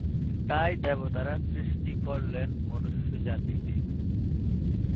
তাই দেবতারা সৃষ্টি করলেন মনুষ্যজাতিকে।